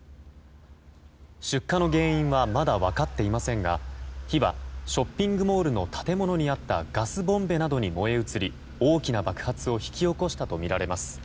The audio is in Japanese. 出火の原因はまだ分かっていませんが火はショッピングモールの建物にあったガスボンベなどに燃え移り大きな爆発を引き起こしたとみられます。